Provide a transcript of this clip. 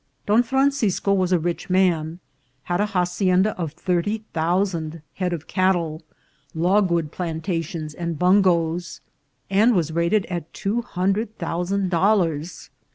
Don Francisco was a rich man ; had a hacienda of thirty thousand head of cattle, logwood plantations and bungoes, and was rated at two hundred thousand dol lars.